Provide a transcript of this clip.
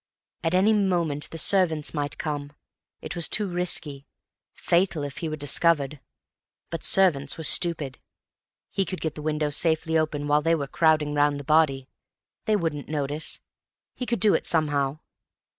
At any moment the servants might come. It was too risky. Fatal, if he were discovered. But servants were stupid. He could get the windows safely open while they were crowding round the body. They wouldn't notice. He could do it somehow.